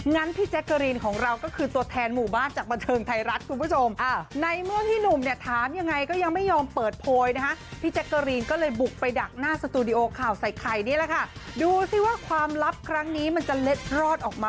พี่แจ๊กเกอรีนของเราก็คือตัวแทนหมู่บ้านจากบันเทิงไทยรัฐคุณผู้ชม